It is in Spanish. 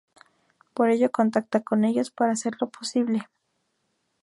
Por ello contacta con ellos para hacerlo posible.